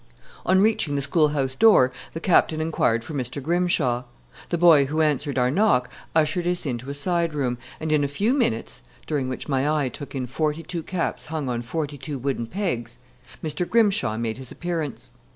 On reaching the schoolhouse door, the Captain inquired for Mr. Grimshaw. The boy who answered our knock ushered us into a side room, and in a few minutes during which my eye took in forty two caps hung on forty two wooden pegs Mr. Grimshaw made his appearance.